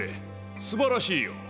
すばらしいよ。